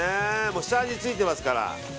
もう下味ついてますから。